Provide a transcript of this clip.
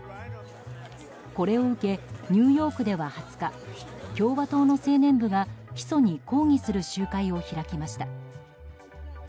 これを受け、ニューヨークでは２０日、共和党の青年部が起訴に抗議する集会を開きました。